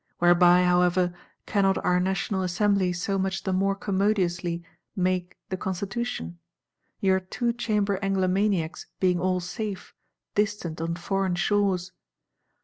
Whereby, however, cannot our National Assembly so much the more commodiously make the Constitution; your Two Chamber Anglomaniacs being all safe, distant on foreign shores?